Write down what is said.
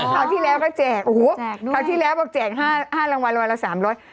คราวที่แล้วก็แจกอู๋คราวที่แล้วบอกแจก๕รางวัลรางวัลละ๓๐๐บาท